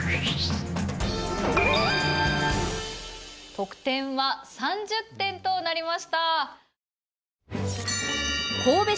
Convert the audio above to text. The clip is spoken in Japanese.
得点は３０点となりました。